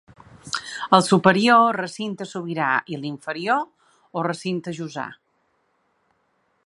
El superior, recinte sobirà i l'inferior o recinte jussà.